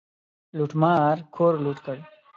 لوټمار کور لوټ کړ.